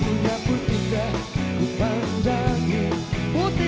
bagai putri mirip buka diri